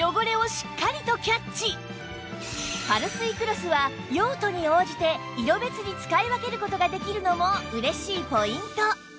パルスイクロスは用途に応じて色別に使い分ける事ができるのも嬉しいポイント